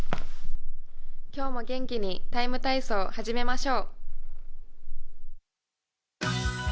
今日も元気に「ＴＩＭＥ，体操」始めましょう。